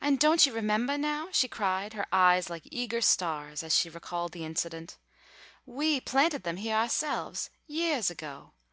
"And don't you remembah now," she cried, her eyes like eager stars as she recalled the incident, "we planted them heah ourselves, yeahs ago.